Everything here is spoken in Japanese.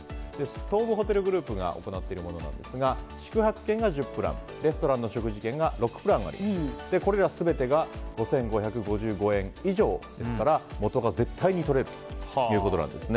東武ホテルグループが行っているものなんですが宿泊券が１０プランレストランの食事券が６プランありこれら全てが５５５５円以上ですから元が絶対にとれるということなんですね。